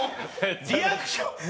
リアクション。